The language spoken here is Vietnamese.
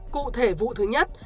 cụ thể vụ thứ nhất